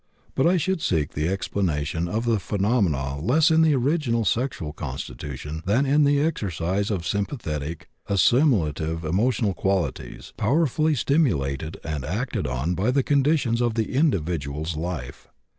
But I should seek the explanation of the phenomenon less in the original sexual constitution than in the exercise of sympathetic, assimilative emotional qualities, powerfully stimulated and acted on by the conditions of the individual's life.